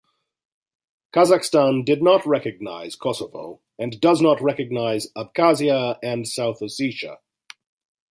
Kazakhstan did not recognise Kosovo and does not recognise Abkhazia and South Ossetia.